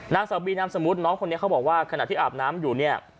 นางสาวบีนามสมมุติน้องคนนี้เขาบอกว่าขณะที่อาบน้ำอยู่เนี่ย